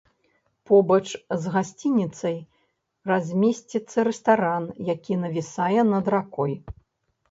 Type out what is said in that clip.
Побач з гасцініцай размесціцца рэстаран, які навісае над ракой.